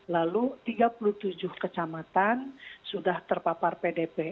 lalu tiga puluh tujuh kecamatan sudah terpapar pdp